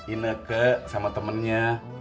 ineke sama temennya